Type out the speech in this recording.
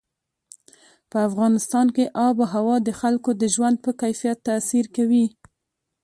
په افغانستان کې آب وهوا د خلکو د ژوند په کیفیت تاثیر کوي.